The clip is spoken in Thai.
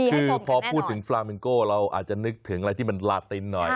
คือพอพูดถึงฟราเมงโก้เราอาจจะนึกถึงอะไรที่มันลาตินหน่อย